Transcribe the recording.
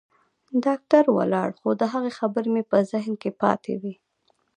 ډاکتر ولاړ خو د هغه خبرې مې په ذهن کښې پاتې وې.